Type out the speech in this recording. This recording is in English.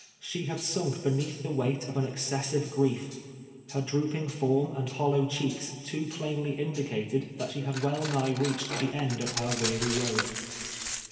She had sunk beneath the weight of an excessive grief. Her drooping form and hollow cheeks too plainly indi cated that she had well nigh reached the end of her weary road.